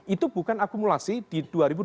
itu bukan akumulasi di dua ribu dua puluh